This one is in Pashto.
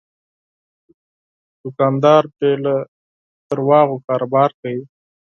دوکاندار بې له دروغو کاروبار کوي.